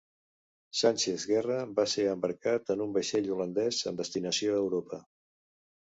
Sánchez-Guerra va ser embarcat en un vaixell holandès amb destinació a Europa.